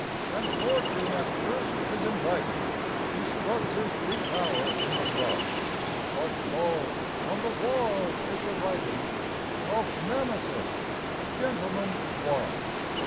And fortune at first is inviting He struts his brief hour in the sun But, lo! on the wall is the writing Of Nemesis, "Gentleman, One".